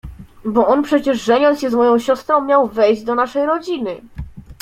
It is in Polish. "Bo on przecież żeniąc się z moją siostrą, miał wejść do naszej rodziny."